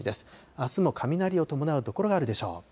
あすも雷を伴う所があるでしょう。